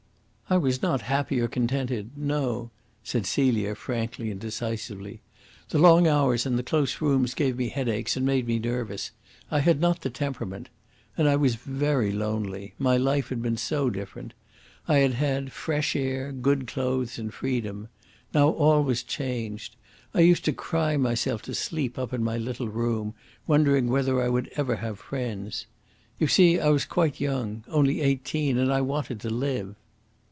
"I was not happy or contented no," said Celia frankly and decisively. "The long hours in the close rooms gave me headaches and made me nervous. I had not the temperament. And I was very lonely my life had been so different. I had had fresh air, good clothes, and freedom. Now all was changed. I used to cry myself to sleep up in my little room, wondering whether I would ever have friends. You see, I was quite young only eighteen and I wanted to live."